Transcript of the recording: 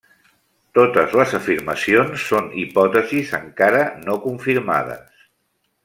Totes les afirmacions són hipòtesis encara no confirmades.